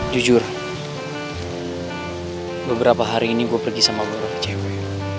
jujur beberapa hari ini gue pergi sama beberapa cewek